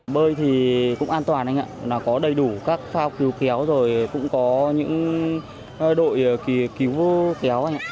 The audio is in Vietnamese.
bơi thì cũng an toàn anh ạ có đầy đủ các phao cứu kéo rồi cũng có những đội cứu kéo